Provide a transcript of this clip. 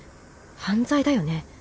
犯罪だよね？